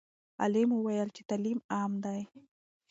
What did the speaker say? عالم وویل چې تعلیم عام دی.